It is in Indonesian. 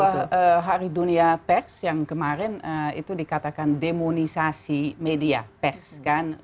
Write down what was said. kalau hari dunia pers yang kemarin itu dikatakan demonisasi media pers kan